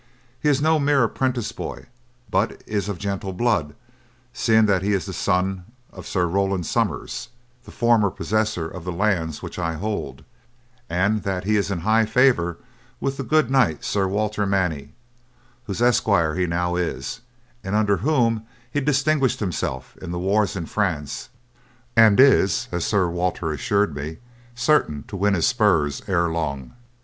He is no mere apprentice boy, but is of gentle blood, seeing that he is the son of Sir Roland Somers, the former possessor of the lands which I hold, and that he is in high favour with the good knight Sir Walter Manny, whose esquire he now is, and under whom he distinguished himself in the wars in France, and is, as Sir Walter assured me, certain to win his spurs ere long.